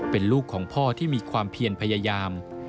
เป็นลูกของพ่อที่มีความเพียรพยายาม